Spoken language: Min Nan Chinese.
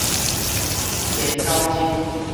天狗日